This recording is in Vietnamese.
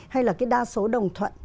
hay là cái đa số đồng thuận